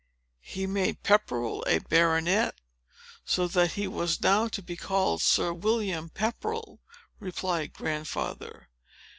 "He made Pepperell a baronet; so that he was now to be called Sir William Pepperell," replied Grandfather.